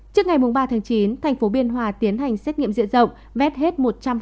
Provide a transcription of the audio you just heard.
trước ngày ba chín thành phố biên hòa tiến hành xét nghiệm diện rộng vét hết một trăm linh